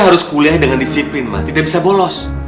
harus kuliah dengan disiplin tidak bisa bolos